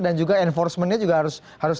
dan juga enforcement nya juga harus